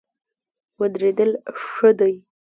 ودرېدل ښه دی.